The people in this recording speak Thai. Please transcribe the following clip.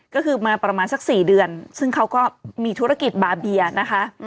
ก็คือมาประมาณสัก๔เดือนซึ่งเขาก็มีธุรกิจบาเบียนะคะ